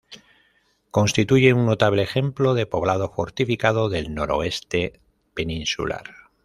Constituye un notable ejemplo de poblado fortificado del noroeste peninsular.